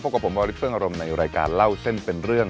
กับผมวาริสเฟิ่งอารมณ์ในรายการเล่าเส้นเป็นเรื่อง